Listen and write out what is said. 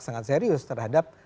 sangat serius terhadap